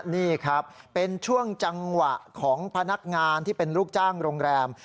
นี่ครับเป็นช่วงจังหวะของพนักงานที่เป็นลูกจ้างโรงแรม